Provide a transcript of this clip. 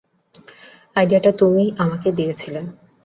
আইডিয়াটা তুমিই আমাকে দিয়েছিলে।